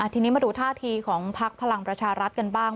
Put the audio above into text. ทีนี้มาดูท่าทีของพักพลังประชารัฐกันบ้าง